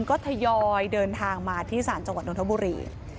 ก็ทยอยเดินทางมาที่ศาลจังหวัดนทบุรี